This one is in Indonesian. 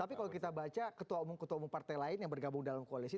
tapi kalau kita baca ketua umum ketua umum partai lain yang bergabung dalam koalisi